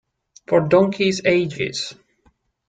For donkeys' ages.